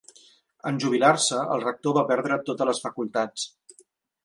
En jubilar-se, el rector va perdre totes les facultats.